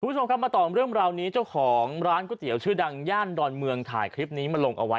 คุณผู้ชมครับมาต่อเรื่องราวนี้เจ้าของร้านก๋วยเตี๋ยวชื่อดังย่านดอนเมืองถ่ายคลิปนี้มาลงเอาไว้